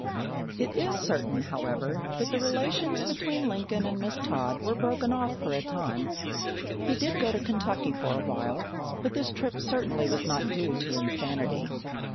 It is certain, however, that the relations between Lincoln and Miss Todd were broken off for a time. He did go to Kentucky for a while, but this trip certainly was not due to insanity.